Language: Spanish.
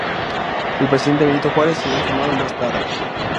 El presidente Benito Juárez sería informado más tarde.